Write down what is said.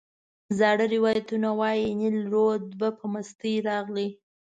زاړه روایتونه وایي نیل رود به په مستۍ راغی.